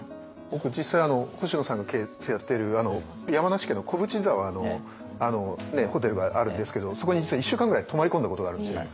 僕実際星野さんの経営やってる山梨県の小淵沢のホテルがあるんですけどそこに実は１週間ぐらい泊まり込んだことがあるんですね。